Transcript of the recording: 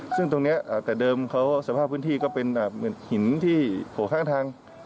ซึ่งตรงนี้แต่เดิมเขาสภาพพื้นที่ก็เป็นเหมือนหินที่โผล่ข้างทาง